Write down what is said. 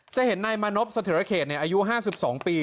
จะเห็นนายมานบสถิตรเขตเนี่ยอายุ๕๒ปี